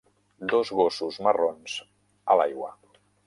Dos gossos marrons a l'aigua.